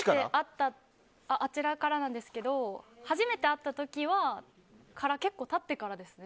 あちらからなんですけど初めて会った時から結構経ってからです。